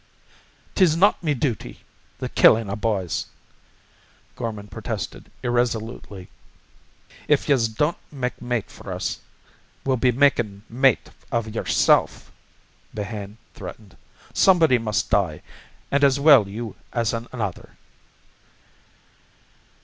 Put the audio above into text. "'Tis not me duty, the killin' of b'ys," Gorman protested irresolutely. "If yez don't make mate for us, we'll be makin' mate of yerself," Behane threatened. "Somebody must die, an' as well you as another."